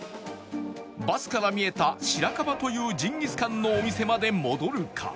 バスから見えた白樺というジンギスカンのお店まで戻るか？